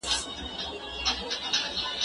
زه اوس سړو ته خواړه ورکوم،